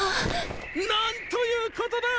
なんという事だ！